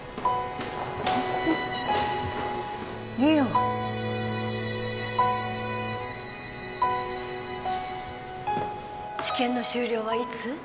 梨央治験の終了はいつ？